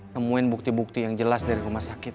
nemuin bukti bukti yang jelas dari rumah sakit